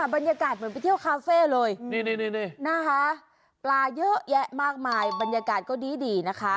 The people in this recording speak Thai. บรรยากาศเหมือนไปเที่ยวคาเฟ่เลยนี่นะคะปลาเยอะแยะมากมายบรรยากาศก็ดีนะคะ